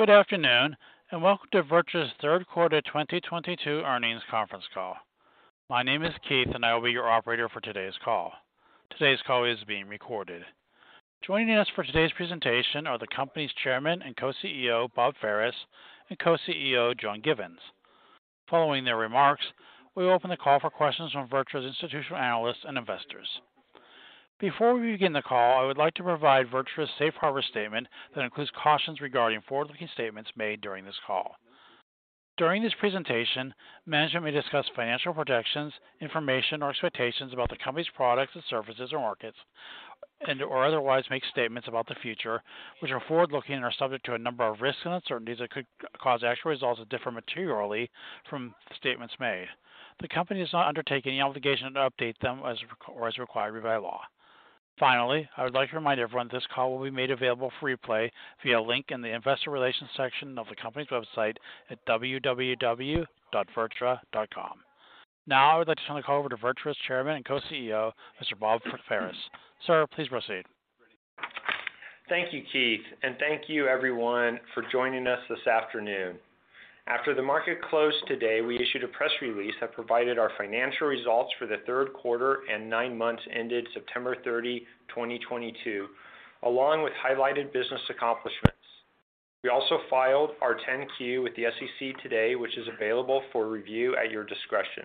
Good afternoon, and welcome to VirTra's third quarter 2022 earnings conference call. My name is Keith, and I will be your operator for today's call. Today's call is being recorded. Joining us for today's presentation are the company's Chairman and co-CEO, Bob Ferris, and co-CEO, John Givens. Following their remarks, we will open the call for questions from VirTra's institutional analysts and investors. Before we begin the call, I would like to provide VirTra's safe harbor statement that includes cautions regarding forward-looking statements made during this call. During this presentation, management may discuss financial projections, information, or expectations about the company's products and services or markets and/or otherwise make statements about the future, which are forward-looking and are subject to a number of risks and uncertainties that could cause actual results to differ materially from the statements made. The company does not undertake any obligation to update them as required by law. Finally, I would like to remind everyone this call will be made available for replay via a link in the investor relations section of the company's website at www.virtra.com. Now I would like to turn the call over to VirTra's chairman and co-CEO, Mr. Bob Ferris. Sir, please proceed. Thank you, Keith, and thank you everyone for joining us this afternoon. After the market closed today, we issued a press release that provided our financial results for the third quarter and 9 months ended September 30, 2022, along with highlighted business accomplishments. We also filed our 10-Q with the SEC today, which is available for review at your discretion.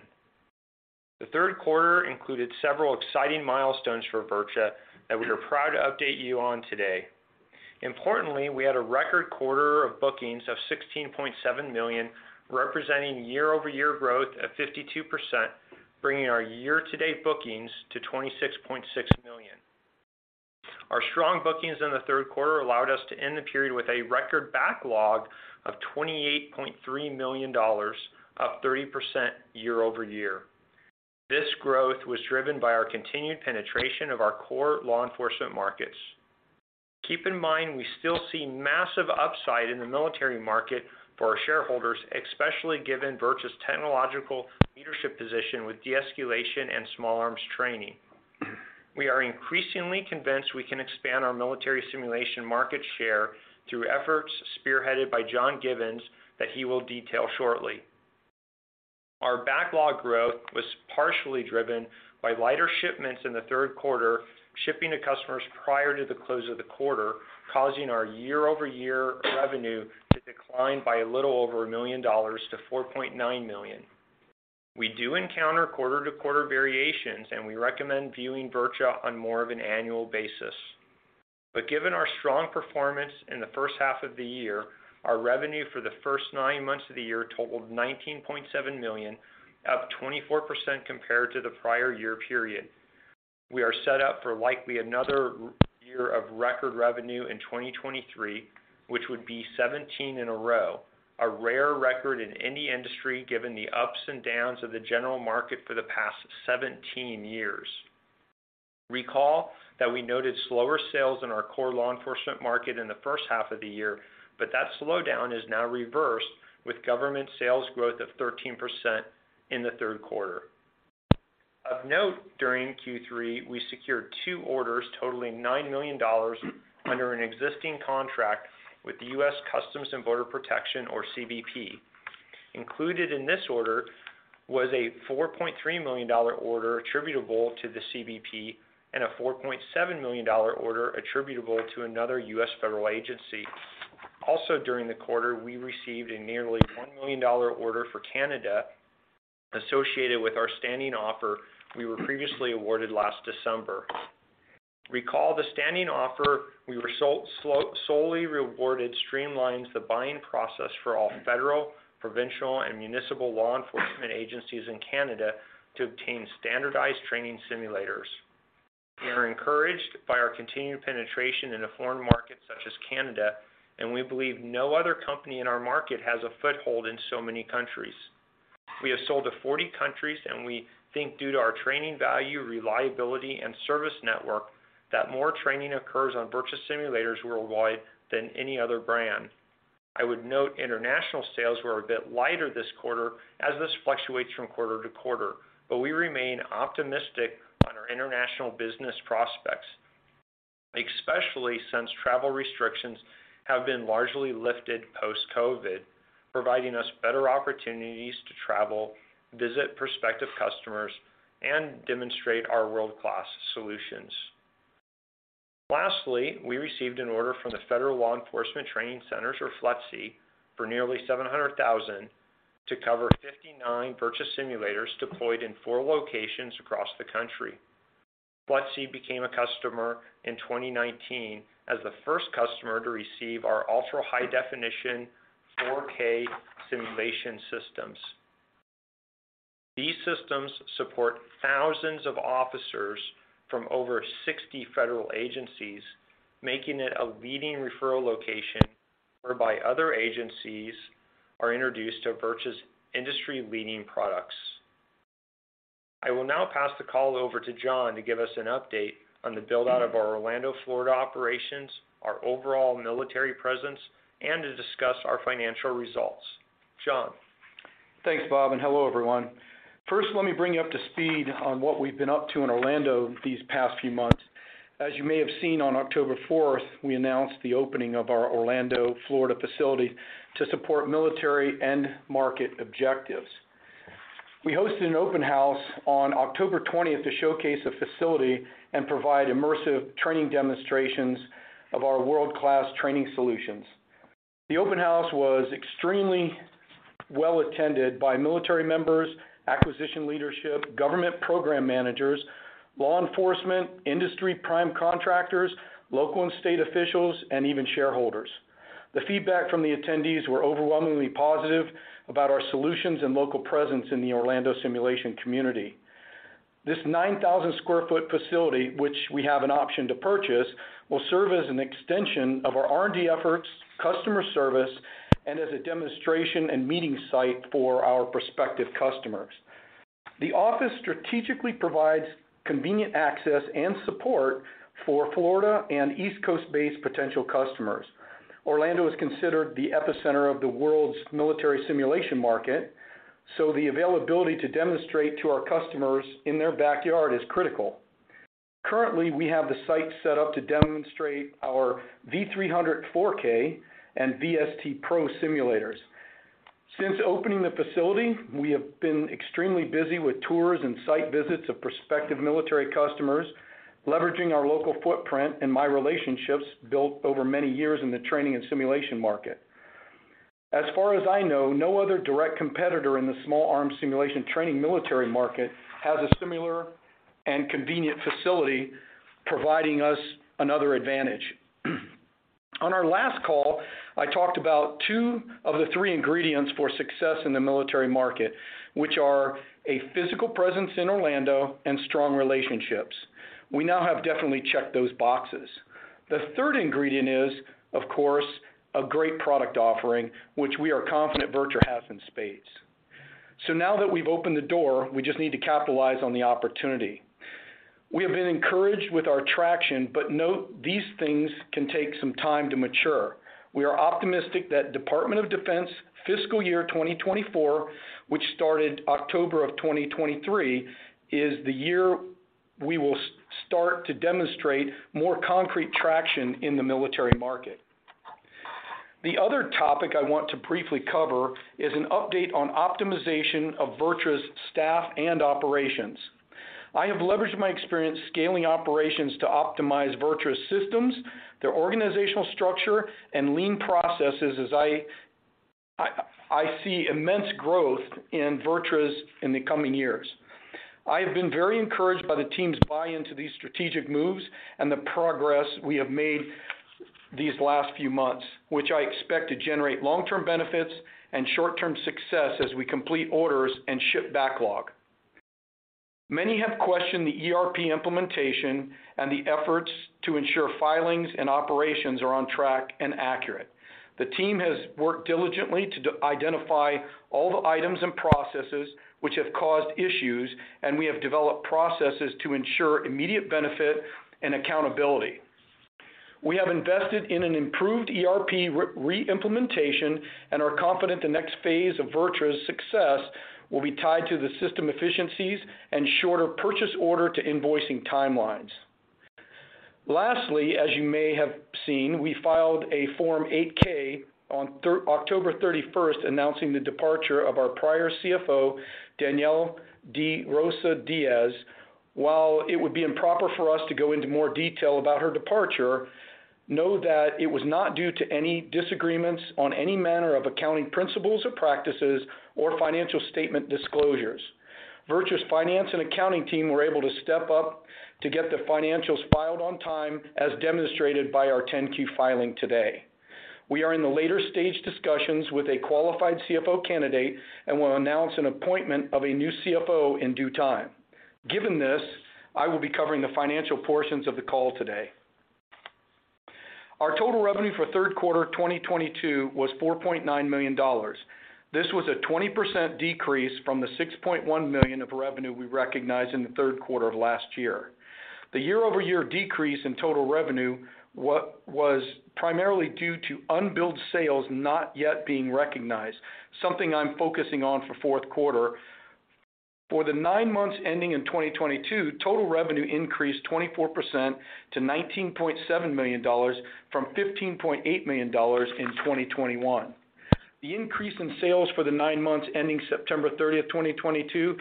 The third quarter included several exciting milestones for VirTra that we are proud to update you on today. Importantly, we had a record quarter of bookings of $16.7 million, representing year-over-year growth of 52%, bringing our year-to-date bookings to $26.6 million. Our strong bookings in the third quarter allowed us to end the period with a record backlog of $28.3 million, up 30% year-over-year. This growth was driven by our continued penetration of our core law enforcement markets. Keep in mind, we still see massive upside in the military market for our shareholders, especially given VirTra's technological leadership position with de-escalation and small arms training. We are increasingly convinced we can expand our military simulation market share through efforts spearheaded by John Givens that he will detail shortly. Our backlog growth was partially driven by lighter shipments in the third quarter, shipping to customers prior to the close of the quarter, causing our year-over-year revenue to decline by a little over $1 million to $4.9 million. We do encounter quarter-to-quarter variations, and we recommend viewing VirTra on more of an annual basis. Given our strong performance in the first half of the year, our revenue for the first 9 months of the year totaled $19.7 million, up 24% compared to the prior year period. We are set up for likely another year of record revenue in 2023, which would be 17 in a row, a rare record in any industry given the ups and downs of the general market for the past 17 years. Recall that we noted slower sales in our core law enforcement market in the first half of the year, but that slowdown is now reversed with government sales growth of 13% in the third quarter. Of note, during Q3, we secured 2 orders totaling $9 million under an existing contract with the U.S. Customs and Border Protection, or CBP. Included in this order was a $4.3 million order attributable to the CBP and a $4.7 million order attributable to another U.S. federal agency. Also during the quarter, we received a nearly $1 million order for Canada associated with our standing offer we were previously awarded last December. Recall the standing offer we were solely rewarded streamlines the buying process for all federal, provincial, and municipal law enforcement agencies in Canada to obtain standardized training simulators. We are encouraged by our continued penetration in a foreign market such as Canada, and we believe no other company in our market has a foothold in so many countries. We have sold to 40 countries, and we think due to our training value, reliability, and service network, that more training occurs on VirTra simulators worldwide than any other brand. I would note international sales were a bit lighter this quarter as this fluctuates from quarter to quarter. We remain optimistic on our international business prospects, especially since travel restrictions have been largely lifted post-COVID, providing us better opportunities to travel, visit prospective customers, and demonstrate our world-class solutions. Lastly, we received an order from the Federal Law Enforcement Training Centers, or FLETC, for nearly $700,000 to cover 59 VirTra simulators deployed in 4 locations across the country. FLETC became a customer in 2019 as the first customer to receive our ultra-high-definition 4K simulation systems. These systems support thousands of officers from over 60 federal agencies, making it a leading referral location whereby other agencies are introduced to VirTra's industry-leading products. I will now pass the call over to John to give us an update on the build-out of our Orlando, Florida operations, our overall military presence, and to discuss our financial results. John? Thanks, Bob, and hello, everyone. First, let me bring you up to speed on what we've been up to in Orlando these past few months. As you may have seen on October fourth, we announced the opening of our Orlando, Florida, facility to support military and market objectives. We hosted an open house on October twentieth to showcase the facility and provide immersive training demonstrations of our world-class training solutions. The open house was extremely well-attended by military members, acquisition leadership, government program managers, law enforcement, industry prime contractors, local and state officials, and even shareholders. The feedback from the attendees were overwhelmingly positive about our solutions and local presence in the Orlando simulation community. This 9,000 sq ft facility, which we have an option to purchase, will serve as an extension of our R&D efforts, customer service, and as a demonstration and meeting site for our prospective customers. The office strategically provides convenient access and support for Florida and East Coast-based potential customers. Orlando is considered the epicenter of the world's military simulation market, so the availability to demonstrate to our customers in their backyard is critical. Currently, we have the site set up to demonstrate our V-300 4K and V-ST PRO simulators. Since opening the facility, we have been extremely busy with tours and site visits of prospective military customers, leveraging our local footprint and my relationships built over many years in the training and simulation market. As far as I know, no other direct competitor in the small arms simulation training military market has a similar and convenient facility providing us another advantage. On our last call, I talked about 2 of the 3 ingredients for success in the military market, which are a physical presence in Orlando and strong relationships. We now have definitely checked those boxes. The third ingredient is, of course, a great product offering, which we are confident VirTra has in spades. Now that we've opened the door, we just need to capitalize on the opportunity. We have been encouraged with our traction, but note these things can take some time to mature. We are optimistic that Department of Defense fiscal year 2024, which started October 2023, is the year we will start to demonstrate more concrete traction in the military market. The other topic I want to briefly cover is an update on optimization of VirTra's staff and operations. I have leveraged my experience scaling operations to optimize VirTra's systems, their organizational structure, and lean processes as I see immense growth in VirTra's in the coming years. I have been very encouraged by the team's buy-in to these strategic moves and the progress we have made these last few months, which I expect to generate long-term benefits and short-term success as we complete orders and ship backlog. Many have questioned the ERP implementation and the efforts to ensure filings and operations are on track and accurate. The team has worked diligently to identify all the items and processes which have caused issues, and we have developed processes to ensure immediate benefit and accountability. We have invested in an improved ERP reimplementation and are confident the next phase of VirTra's success will be tied to the system efficiencies and shorter purchase order to invoicing timelines. Lastly, as you may have seen, we filed a Form 8-K on October 31 announcing the departure of our prior CFO, Danielle Diaz. While it would be improper for us to go into more detail about her departure, know that it was not due to any disagreements on any manner of accounting principles or practices or financial statement disclosures. VirTra's finance and accounting team were able to step up to get the financials filed on time, as demonstrated by our 10-Q filing today. We are in the later stage discussions with a qualified CFO candidate and will announce an appointment of a new CFO in due time. Given this, I will be covering the financial portions of the call today. Our total revenue for third quarter 2022 was $4.9 million. This was a 20% decrease from the $6.1 million of revenue we recognized in the third quarter of last year. The year-over-year decrease in total revenue was primarily due to unbilled sales not yet being recognized, something I'm focusing on for fourth quarter. For the 9 months ending in 2022, total revenue increased 24% to $19.7 million from $15.8 million in 2021. The increase in sales for the 9 months ending September 30, 2022,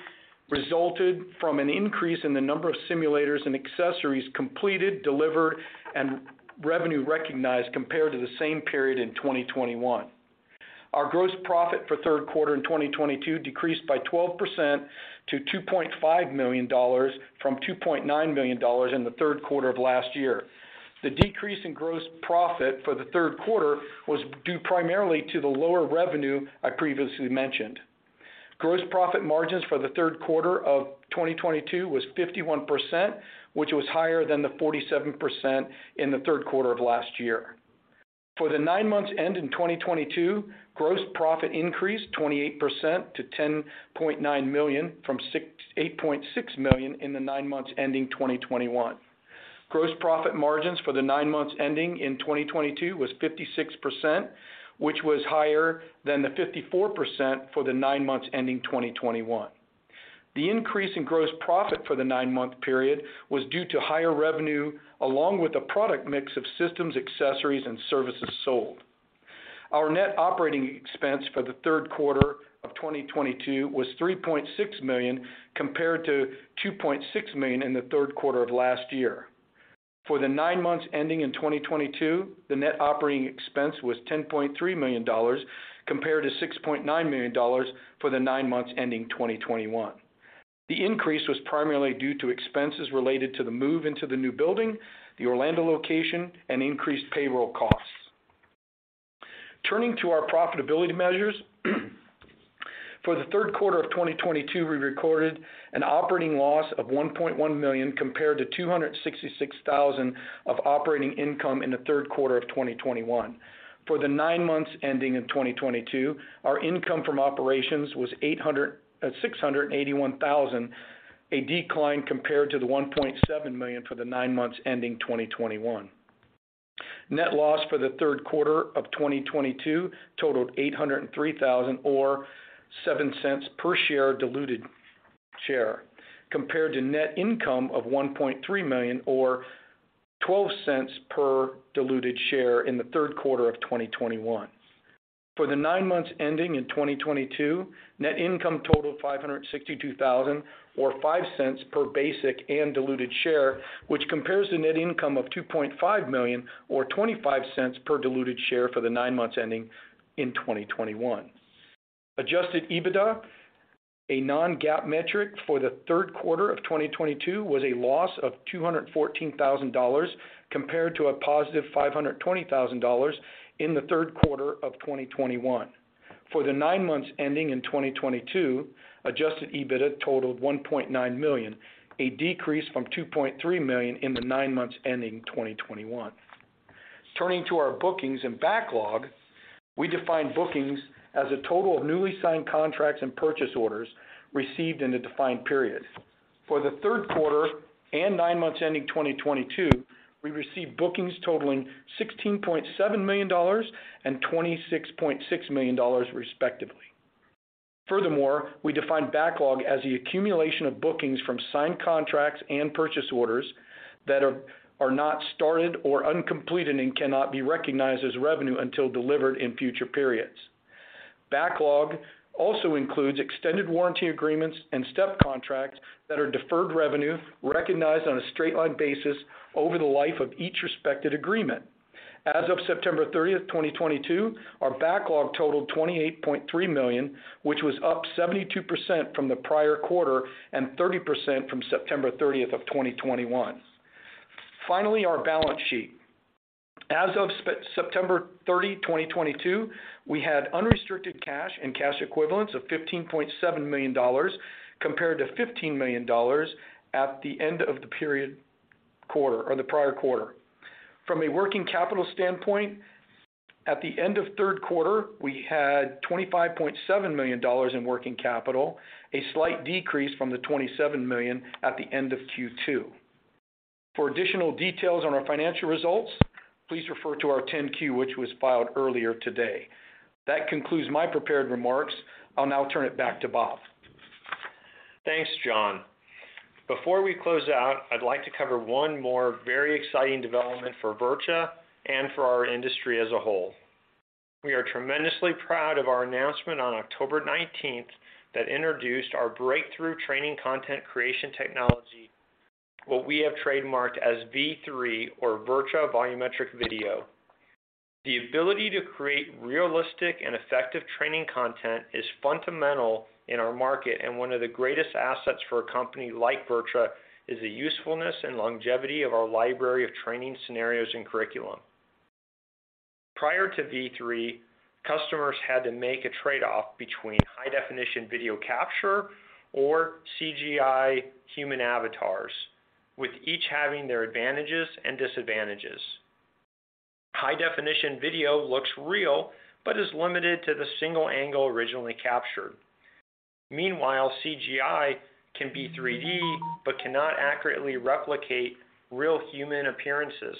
resulted from an increase in the number of simulators and accessories completed, delivered, and revenue recognized compared to the same period in 2021. Our gross profit for third quarter in 2022 decreased by 12% to $2.5 million from $2.9 million in the third quarter of last year. The decrease in gross profit for the third quarter was due primarily to the lower revenue I previously mentioned. Gross profit margins for the third quarter of 2022 was 51%, which was higher than the 47% in the third quarter of last year. For the 9 months ending 2022, gross profit increased 28% to $10.9 million from $8.6 million in the 9 months ending 2021. Gross profit margins for the 9 months ending in 2022 was 56%, which was higher than the 54% for the 9 months ending 2021. The increase in gross profit for the 9-month period was due to higher revenue along with the product mix of systems, accessories and services sold. Our net operating expense for the third quarter of 2022 was $3.6 million compared to $2.6 million in the third quarter of last year. For the 9 months ending in 2022, the net operating expense was $10.3 million compared to $6.9 million for the 9 months ending 2021. The increase was primarily due to expenses related to the move into the new building, the Orlando location and increased payroll costs. Turning to our profitability measures. For the third quarter of 2022, we recorded an operating loss of $1.1 million compared to $266,000 of operating income in the third quarter of 2021. For the 9 months ending in 2022, our income from operations was $681,000, a decline compared to the $1.7 million for the 9 months ending 2021. Net loss for the third quarter of 2022 totaled $803,000 or $0.07 per diluted share, compared to net income of $1.3 million or $0.12 per diluted share in the third quarter of 2021. For the 9 months ending in 2022, net income totaled $562,000 or $0.05 per basic and diluted share, which compares to the net income of $2.5 million or $0.25 per diluted share for the 9 months ending in 2021. Adjusted EBITDA, a non-GAAP metric for the third quarter of 2022 was a loss of $214,000 compared to a positive $520,000 in the third quarter of 2021. For the 9 months ending in 2022, Adjusted EBITDA totaled $1.9 million, a decrease from $2.3 million in the 9 months ending 2021. Turning to our bookings and backlog, we define bookings as a total of newly signed contracts and purchase orders received in a defined period. For the third quarter and 9 months ending 2022, we received bookings totaling $16.7 million and $26.6 million, respectively. Furthermore, we define backlog as the accumulation of bookings from signed contracts and purchase orders that are not started or uncompleted and cannot be recognized as revenue until delivered in future periods. Backlog also includes extended warranty agreements and STEP contracts that are deferred revenue recognized on a straight-line basis over the life of each respective agreement. As of September 30, 2022, our backlog totaled $28.3 million, which was up 72% from the prior quarter and 30% from September 30, 2021. Finally, our balance sheet. As of September 30, 2022, we had unrestricted cash and cash equivalents of $15.7 million compared to $15 million at the end of the prior quarter. From a working capital standpoint, at the end of third quarter, we had $25.7 million in working capital, a slight decrease from the $27 million at the end of Q2. For additional details on our financial results, please refer to our 10-Q, which was filed earlier today. That concludes my prepared remarks. I'll now turn it back to Bob. Thanks, John. Before we close out, I'd like to cover one more very exciting development for VirTra and for our industry as a whole. We are tremendously proud of our announcement on October 19 that introduced our breakthrough training content creation technology, what we have trademarked as V3 or VirTra Volumetric Video. The ability to create realistic and effective training content is fundamental in our market, and one of the greatest assets for a company like VirTra is the usefulness and longevity of our library of training scenarios and curriculum. Prior to V3, customers had to make a trade-off between high definition video capture or CGI human avatars, with each having their advantages and disadvantages. High definition video looks real, but is limited to the single angle originally captured. Meanwhile, CGI can be 3D, but cannot accurately replicate real human appearances,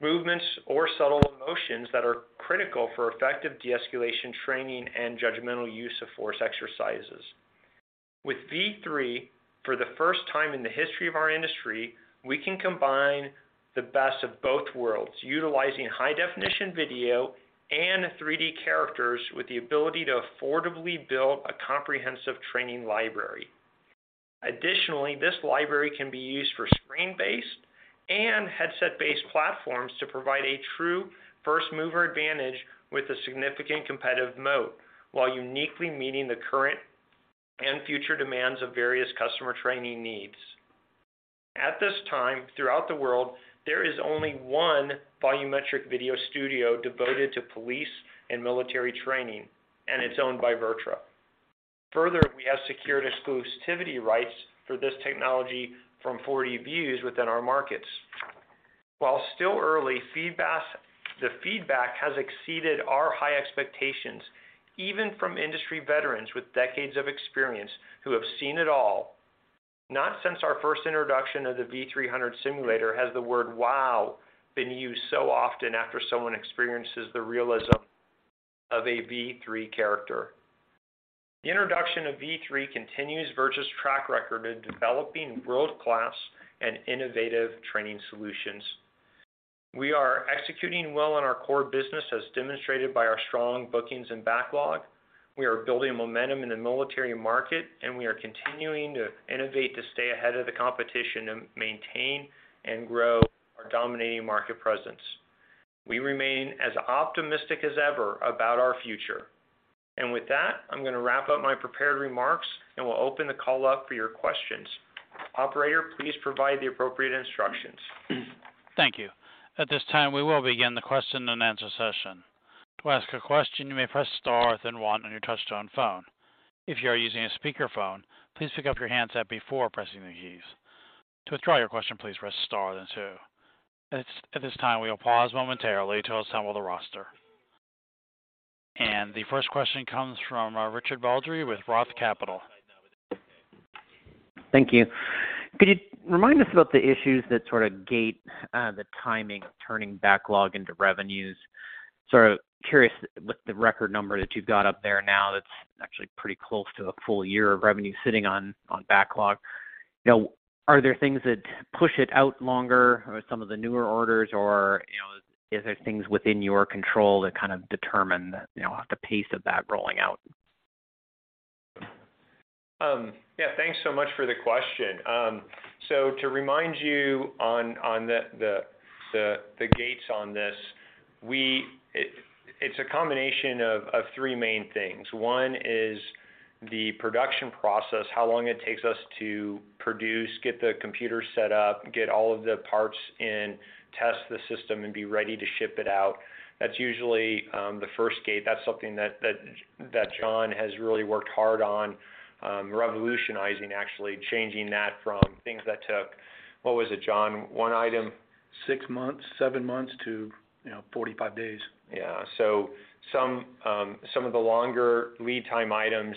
movements or subtle emotions that are critical for effective de-escalation training and judgmental use of force exercises. With V3, for the first time in the history of our industry, we can combine the best of both worlds, utilizing high-definition video and 3D characters with the ability to affordably build a comprehensive training library. Additionally, this library can be used for screen-based and headset-based platforms to provide a true first mover advantage with a significant competitive moat while uniquely meeting the current and future demands of various customer training needs. At this time, throughout the world, there is only 1 volumetric video studio devoted to police and military training, and it's owned by VirTra. Further, we have secured exclusivity rights for this technology from 4DVIEWS within our markets. While still early, the feedback has exceeded our high expectations, even from industry veterans with decades of experience who have seen it all. Not since our first introduction of the V300 simulator has the word wow been used so often after someone experiences the realism of a V3 character. The introduction of V3 continues VirTra's track record in developing world-class and innovative training solutions. We are executing well on our core business, as demonstrated by our strong bookings and backlog. We are building momentum in the military market, and we are continuing to innovate to stay ahead of the competition and maintain and grow our dominating market presence. We remain as optimistic as ever about our future. With that, I'm gonna wrap up my prepared remarks, and we'll open the call up for your questions. Operator, please provide the appropriate instructions. Thank you. At this time, we will begin the question-and-answer session. To ask a question, you may press star, then one on your touchtone phone. If you are using a speakerphone, please pick up your handset before pressing the keys. To withdraw your question, please press star then two. At this time, we will pause momentarily to assemble the roster. The first question comes from Richard Baldry with Roth Capital. Thank you. Could you remind us about the issues that sort of gate the timing of turning backlog into revenues? Sort of curious with the record number that you've got up there now, that's actually pretty close to a full year of revenue sitting on backlog. You know, are there things that push it out longer or some of the newer orders or, you know, is there things within your control to kind of determine the pace of that rolling out? Yeah, thanks so much for the question. So to remind you on the gates on this, it's a combination of 3 main things. 1 is the production process, how long it takes us to produce, get the computer set up, get all of the parts in, test the system, and be ready to ship it out. That's usually the first gate. That's something that John has really worked hard on, revolutionizing, actually changing that from things that took, what was it, John? 1 item- 6 months, 7 months to, you know, 45 days. Yeah. Some of the longer lead time items,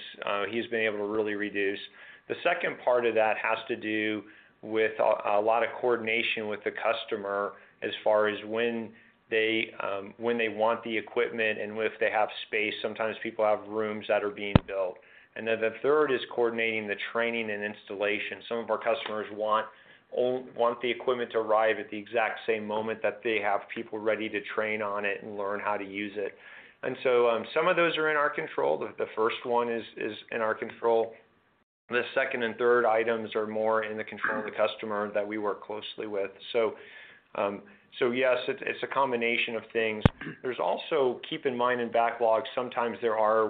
he's been able to really reduce. The second part of that has to do with a lot of coordination with the customer as far as when they want the equipment and if they have space. Sometimes people have rooms that are being built. The third is coordinating the training and installation. Some of our customers want the equipment to arrive at the exact same moment that they have people ready to train on it and learn how to use it. Some of those are in our control. The first one is in our control. The second and third items are more in the control of the customer that we work closely with. Yes, it's a combination of things. There's also. Keep in mind in backlog, sometimes there are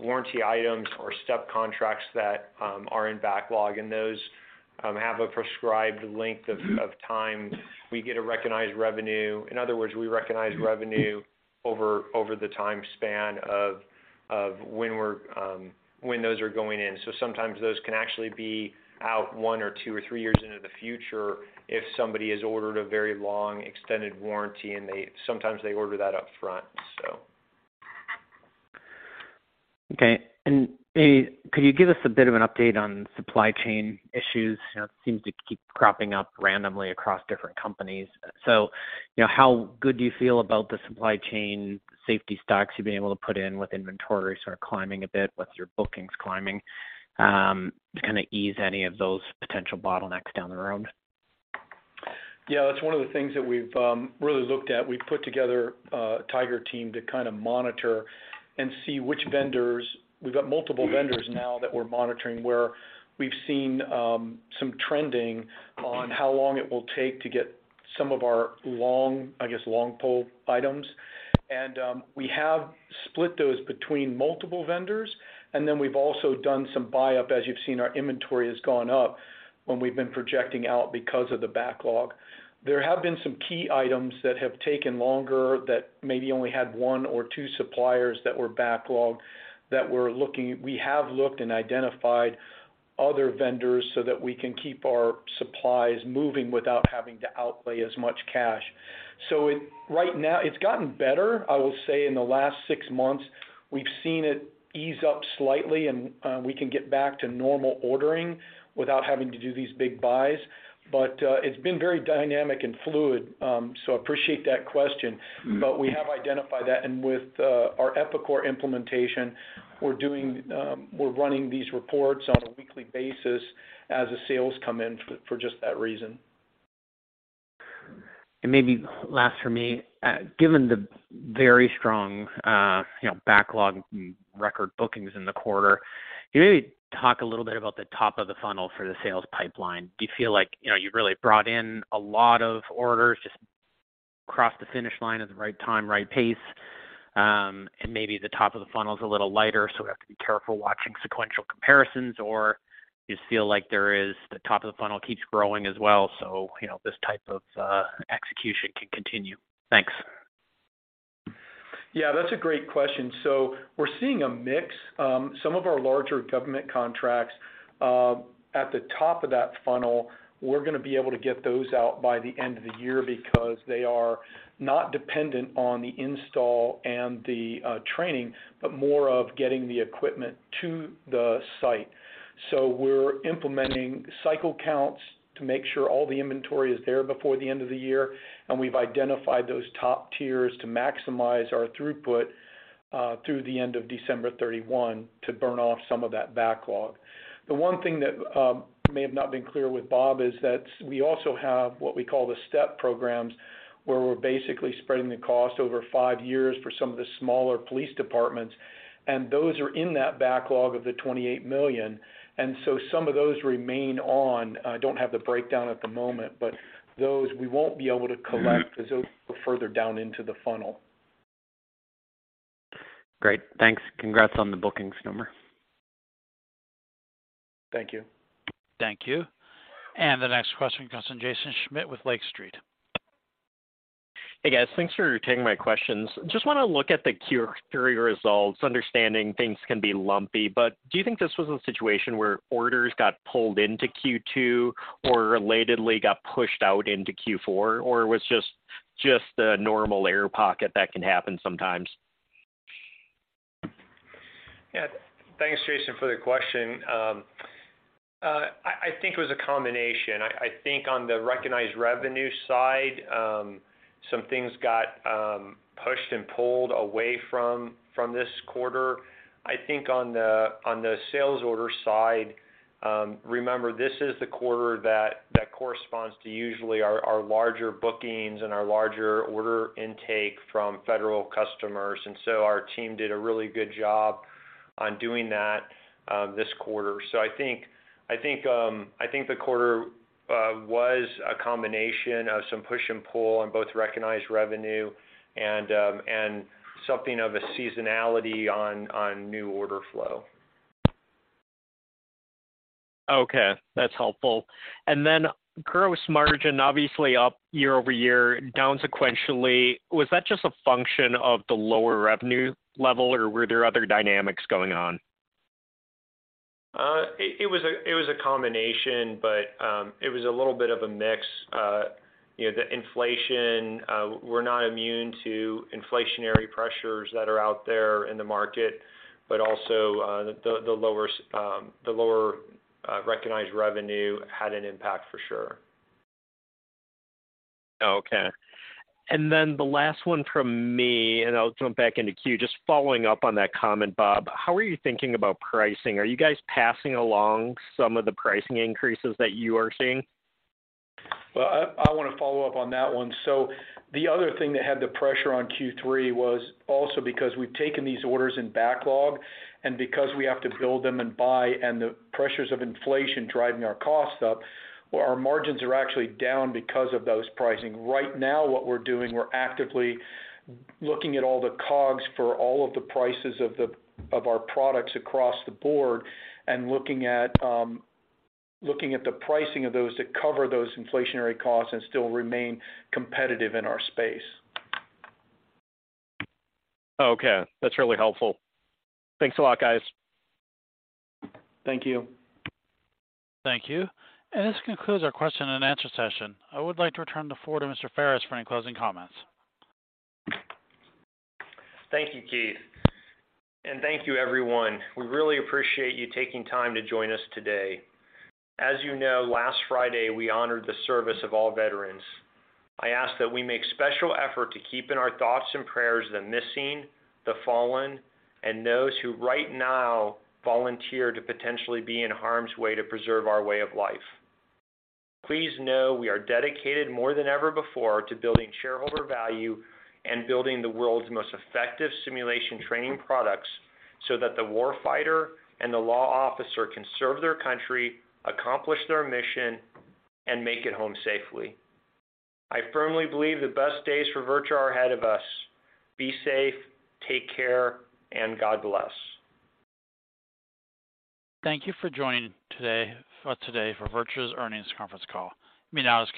warranty items or STEP contracts that are in backlog, and those have a prescribed length of time. We get a recognized revenue. In other words, we recognize revenue over the time span of when those are going in. Sometimes those can actually be out 1 or 2 or 3 years into the future if somebody has ordered a very long extended warranty and sometimes they order that up front, so. Okay. Could you give us a bit of an update on supply chain issues? You know, it seems to keep cropping up randomly across different companies. You know, how good do you feel about the supply chain safety stocks you've been able to put in with inventory sort of climbing a bit with your bookings climbing, to kind of ease any of those potential bottlenecks down the road? Yeah. That's one of the things that we've really looked at. We've put together a tiger team to kind of monitor and see which vendors. We've got multiple vendors now that we're monitoring, where we've seen some trending on how long it will take to get some of our long, I guess, long pole items. We have split those between multiple vendors, and then we've also done some buy-up. As you've seen, our inventory has gone up when we've been projecting out because of the backlog. There have been some key items that have taken longer that maybe only had 1 or 2 suppliers that were backlogged that we have looked and identified other vendors so that we can keep our supplies moving without having to outlay as much cash. Right now, it's gotten better. I will say in the last 6 months, we've seen it ease up slightly, and we can get back to normal ordering without having to do these big buys. It's been very dynamic and fluid, so I appreciate that question. We have identified that. With our Epicor implementation, we're running these reports on a weekly basis as the sales come in for just that reason. Maybe last for me. Given the very strong, you know, backlog record bookings in the quarter, can you maybe talk a little bit about the top of the funnel for the sales pipeline? Do you feel like, you know, you've really brought in a lot of orders just across the finish line at the right time, right pace, and maybe the top of the funnel is a little lighter, so we have to be careful watching sequential comparisons? Or do you feel like there is the top of the funnel keeps growing as well, so, you know, this type of, execution can continue? Thanks. Yeah, that's a great question. We're seeing a mix. Some of our larger government contracts, at the top of that funnel, we're gonna be able to get those out by the end of the year because they are not dependent on the install and the training, but more of getting the equipment to the site. We're implementing cycle counts to make sure all the inventory is there before the end of the year, and we've identified those top tiers to maximize our throughput through the end of December 31 to burn off some of that backlog. The one thing that may have not been clear with Bob is that we also have what we call the STEP programs, where we're basically spreading the cost over 5 years for some of the smaller police departments, and those are in that backlog of $28 million. Some of those remain on. I don't have the breakdown at the moment, but those we won't be able to collect 'cause those are further down into the funnel. Great. Thanks. Congrats on the bookings number. Thank you. Thank you. The next question comes from Jaeson Schmidt with Lake Street. Hey, guys. Thanks for taking my questions. Just wanna look at the Q3 results, understanding things can be lumpy. Do you think this was a situation where orders got pulled into Q2 or relatedly got pushed out into Q4? Or was just a normal air pocket that can happen sometimes? Yeah. Thanks, Jason, for the question. I think it was a combination. I think on the recognized revenue side, some things got pushed and pulled away from this quarter. I think on the sales order side, remember, this is the quarter that corresponds to usually our larger bookings and our larger order intake from federal customers. Our team did a really good job on doing that this quarter. So I think the quarter was a combination of some push and pull on both recognized revenue and something of a seasonality on new order flow. Okay. That's helpful. Gross margin obviously up year-over-year, down sequentially. Was that just a function of the lower revenue level, or were there other dynamics going on? It was a combination, but it was a little bit of a mix. You know, the inflation, we're not immune to inflationary pressures that are out there in the market, but also, the lower recognized revenue had an impact for sure. Okay. The last one from me, and I'll jump back into queue. Just following up on that comment, Bob, how are you thinking about pricing? Are you guys passing along some of the pricing increases that you are seeing? Well, I wanna follow up on that one. The other thing that had the pressure on Q3 was also because we've taken these orders in backlog and because we have to build them and buy and the pressures of inflation driving our costs up, our margins are actually down because of those pricing. Right now what we're doing, we're actively looking at all the COGS for all of the prices of our products across the board and looking at the pricing of those to cover those inflationary costs and still remain competitive in our space. Okay. That's really helpful. Thanks a lot, guys. Thank you. Thank you. This concludes our question and answer session. I would like to return the floor to Mr. Ferris for any closing comments. Thank you, Keith. Thank you, everyone. We really appreciate you taking time to join us today. As you know, last Friday we honored the service of all veterans. I ask that we make special effort to keep in our thoughts and prayers the missing, the fallen, and those who right now volunteer to potentially be in harm's way to preserve our way of life. Please know we are dedicated more than ever before to building shareholder value and building the world's most effective simulation training products so that the war fighter and the law officer can serve their country, accomplish their mission, and make it home safely. I firmly believe the best days for VirTra are ahead of us. Be safe, take care, and God bless. Thank you for joining today for VirTra's earnings conference call. You may now disconnect.